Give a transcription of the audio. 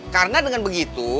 karena dengan begitu